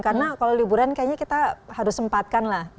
karena kalau liburan kayaknya kita harus sempatkan lah